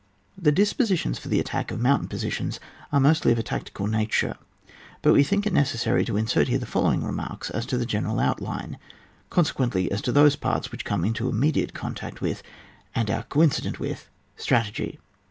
The dispositions for the attack of moun tain positions are mostly of a tactical nature ; but we think it necessary to in sert here the following remarks as to the general outline, consequently as to those parts which come into immediate contact with, and are coincident with, strategy.